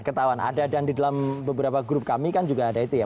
ketahuan ada dan di dalam beberapa grup kami kan juga ada itu ya